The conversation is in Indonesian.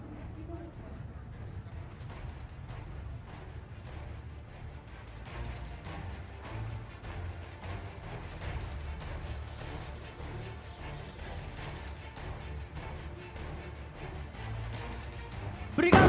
berikan tepuk tangan yang meriah untuk meriam satu ratus lima puluh lima cesar